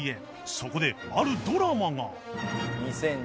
そこであるドラマが